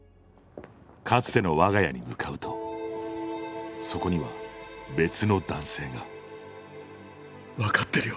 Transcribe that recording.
かつての我が家に向かうとそこには別の男性が分かってるよ